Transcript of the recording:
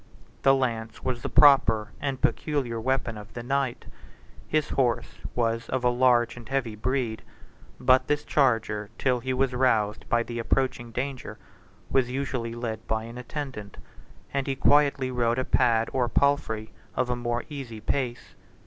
The lance was the proper and peculiar weapon of the knight: his horse was of a large and heavy breed; but this charger, till he was roused by the approaching danger, was usually led by an attendant, and he quietly rode a pad or palfrey of a more easy pace.